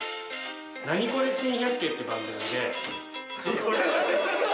『ナニコレ珍百景』って番組で。